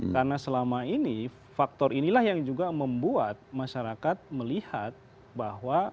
karena selama ini faktor inilah yang juga membuat masyarakat melihat bahwa